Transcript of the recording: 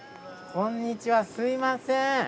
こんにちはすみません。